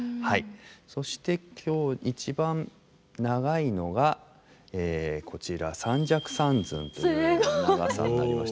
そして今日一番長いのがこちら三尺三寸という長さになりまして。